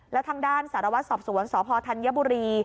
แล้วทางด้านสารวัตรสอบสวนสพธัญบุรี